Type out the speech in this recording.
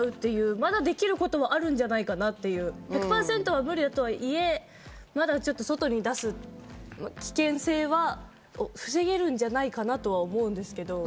まだできることはあるんじゃないかなって、１００％は無理だとはいえ、まだちょっと外に出す危険性は防げるんじゃないかなと思うんですけど。